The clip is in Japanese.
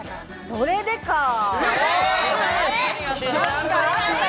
それでかぁ！